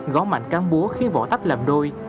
gó mạnh cám búa khiến vỏ tách làm đôi